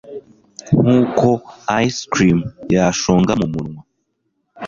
nkuko ice cream yashonga mumunwa